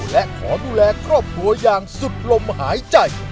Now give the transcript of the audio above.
และขอดูแลครอบครัวอย่างสุดลมหายใจ